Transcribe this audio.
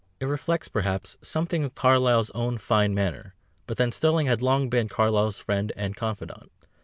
It reflects, perhaps, something of Carlyle's own fine manner, but then Sterling had long been Carlyle's friend and confidant.